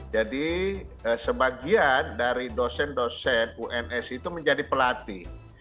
jadi sebagian dari dosen dosen uns itu menjadi pelatih